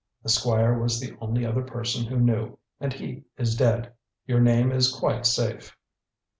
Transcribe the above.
The Squire was the only other person who knew, and he is dead. Your name is quite safe."